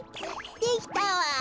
できたわ。